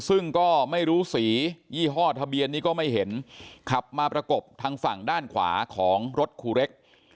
ซึ่งก็ไม่รู้สียี่ห้อทะเบียนนี้ก็ไม่เห็นขับมาประกบทางฝั่งด้านขวาของรถคูเล็ก